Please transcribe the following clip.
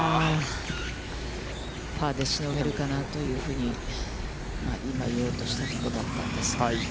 パーでしのげるかなというふうに今、言おうとしたところでしたが。